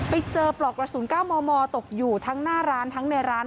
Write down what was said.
ปลอกกระสุน๙มมตกอยู่ทั้งหน้าร้านทั้งในร้าน